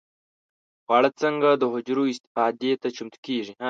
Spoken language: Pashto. خواړه څنګه د حجرو استفادې ته چمتو کېږي؟